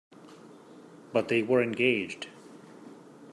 But they were engaged.